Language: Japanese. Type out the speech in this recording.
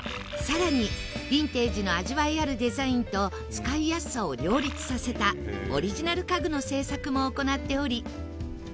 さらにヴィンテージの味わいあるデザインと使いやすさを両立させたオリジナル家具の製作も行っており。